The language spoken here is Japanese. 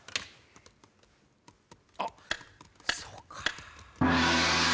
あっそうか。